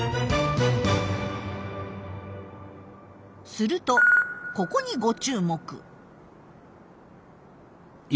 するとここにご注目。